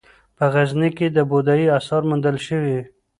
په غزني کې د بودايي اثار موندل شوي